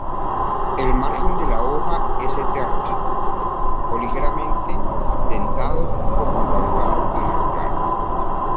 El margen de la hoja es entero o ligeramente dentado o con ranurado irregular.